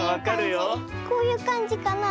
こういうかんじかな。